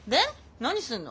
何すんの？